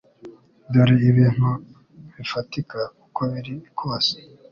Dore ibintu bifatika uko biri kose